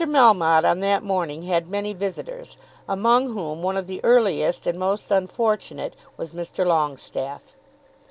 Melmotte on that morning had many visitors, among whom one of the earliest and most unfortunate was Mr. Longestaffe.